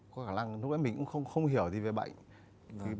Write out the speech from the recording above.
có lẽ lúc ấy mình cũng không hiểu về bệnh